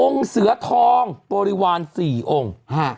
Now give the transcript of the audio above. องค์เสือทองปริวาร๔องค์